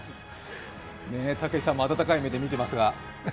たけしさんも温かい目で見てますが。